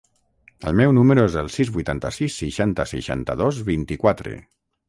El meu número es el sis, vuitanta-sis, seixanta, seixanta-dos, vint-i-quatre.